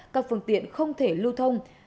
các phương tiện không thể lưu thông